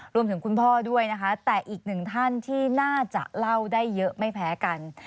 คุณพ่อด้วยนะคะแต่อีกหนึ่งท่านที่น่าจะเล่าได้เยอะไม่แพ้กัน